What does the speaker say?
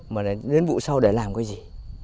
mà đến vụ sau để làm cái gì